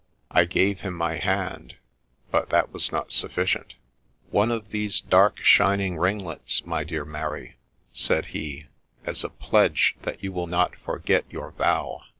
[ gave him my hand, but that was not sufficient. ' One of these dark shining ringlets, my dear Mary,' said he, ' as a pledge that you will not forget your vow